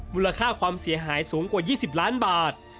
มูลค่าความเสียหายสูงกว่า๒๐ล้านบาท